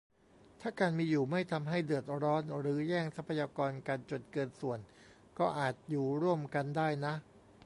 ถ้าการมีอยู่ไม่ทำให้เดือดร้อนหรือแย่งทรัพยากรกันจนเกินส่วน ก็อาจอยู่ร่วมกันได้นะ